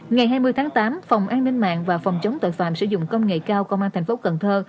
ngày hai mươi tháng tám phòng an ninh mạng và phòng chống tội phạm sử dụng công nghệ cao công an thành phố cần thơ